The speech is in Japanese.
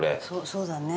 そうだね。